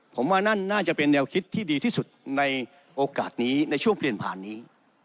ผมว่านั่นน่าจะเป็นแนวคิดที่ดีที่สุดในโอกาสนี้ในช่วงเปลี่ยนผ่านนี้